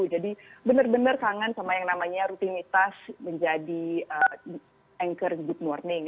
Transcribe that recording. jadi benar benar kangen sama yang namanya rutinitas menjadi anchor good morning